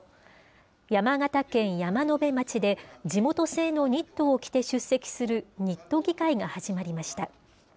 山形県山辺町で、地元製のニットを着て出席するニット議会が始まりました。